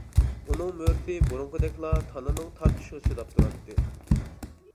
ئۇنىڭ مۈرىسى بۇرۇنقىدەكلا تانىنىڭ تارتىشىغا چىداپ تۇراتتى.